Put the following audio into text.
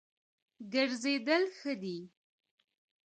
ګرځېدل ښه دی.